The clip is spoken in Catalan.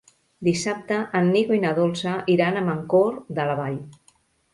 Dissabte en Nico i na Dolça iran a Mancor de la Vall.